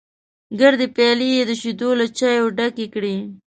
ګردې پيالې یې د شیدو له چایو ډکې کړې.